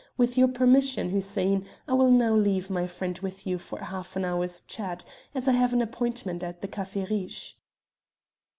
With your permission, Hussein, I will now leave my friend with you for a half hour's chat, as I have an appointment at the Café Riche."